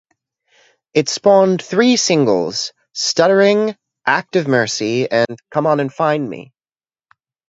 It spawned three singles, "Stuttering", "Act of Mercy" and "Come on and Find Me".